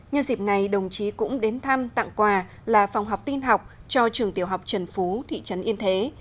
nhân dịp này đồng chí cũng đến thăm tặng quà là phòng học tin học cho trường tiểu học trần phú thị trấn yên thế